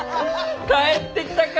帰ってきたか！